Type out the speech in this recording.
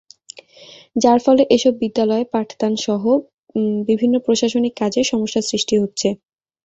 যার ফলে এসব বিদ্যালয়ে পাঠদানসহ বিভিন্ন প্রশাসনিক কাজে সমস্যার সৃষ্টি হচ্ছে।